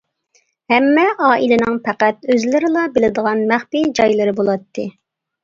ھەممە ئائىلىنىڭ پەقەت ئۆزلىرىلا بىلىدىغان مەخپىي جايلىرى بولاتتى.